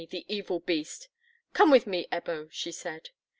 the evil beast!" "Come with me, Ebbo," she said.